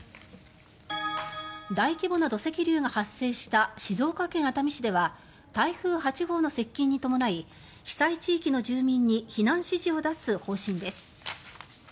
大規模な土石流が発生した静岡県熱海市では台風８号の接近に伴い被災地域の住民に避難指示を出す方針です。